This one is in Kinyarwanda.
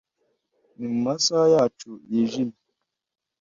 ni mumasaha yacu yijimye